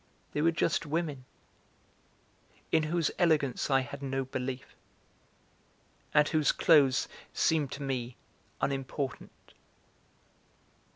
They were just women, in whose elegance I had no belief, and whose clothes seemed to me unimportant.